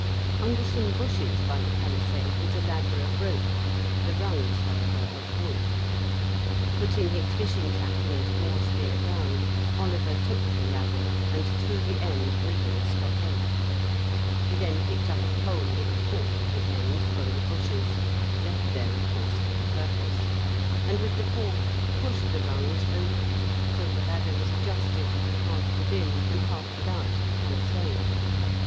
Under some bushes by the palisade was a ladder of rope, the rungs, however, of wood. Putting his fishing tackle and boar spear down, Oliver took the ladder and threw the end over the stockade. He then picked up a pole with a fork at the end from the bushes, left there, of course, for the purpose, and with the fork pushed the rungs over till the ladder was adjusted, half within and half without the palisade.